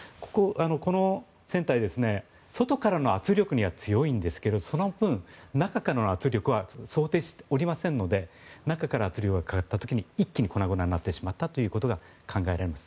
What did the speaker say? この船体は外からの圧力には強いんですがその分、中からの圧力は想定しておりませんので中から圧力がかかった時に一気に粉々になってしまったということが考えられます。